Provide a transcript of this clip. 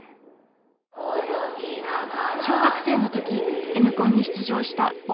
小学生のときＮコンに出場した大麦さん。